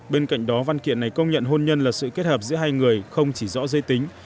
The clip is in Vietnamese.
bên cạnh đó văn kiện này công nhận hôn nhân là sự kết hợp giữa hai người không chỉ rõ giới tính